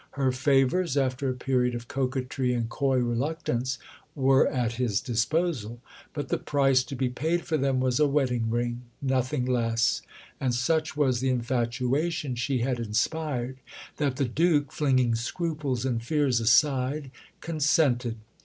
Her favours after a period of coquetry and coy reluctance were at his disposal; but the price to be paid for them was a wedding ring nothing less. And such was the infatuation she had inspired that the Duke flinging scruples and fears aside, consented.